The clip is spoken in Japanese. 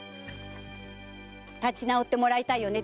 立ち直ってもらいたいよね。